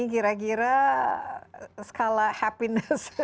kira kira skala kebahagiaan